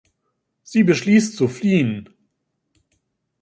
Sie beschließt zu fliehen.